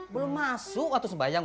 belum masuk waktu sembahyang